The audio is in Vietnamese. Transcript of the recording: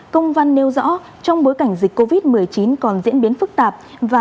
công văn nêu rõ trong bối cảnh dịch covid một mươi chín còn diễn biến phức tạp và